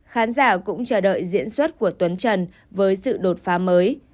khán giả cũng chờ đợi diễn xuất của tuấn trần với sự đột phá mới